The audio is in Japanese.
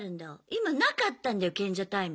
今なかったんだよ賢者タイム。